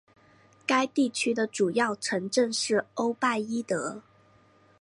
该地区的主要城镇是欧拜伊德。